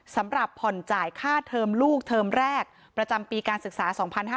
สำหรับผ่อนจ่ายค่าเทอมลูกเทอมแรกประจำปีการศึกษา๒๕๕๙